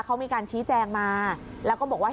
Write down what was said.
เขามีการชี้แจงมาแล้วก็บอกว่า